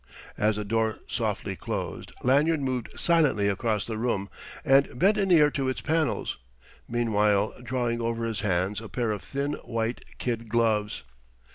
As the door softly closed Lanyard moved silently across the room and bent an ear to its panels, meanwhile drawing over his hands a pair of thin white kid gloves.